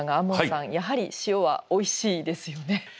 門さんやはり塩はおいしいですよね。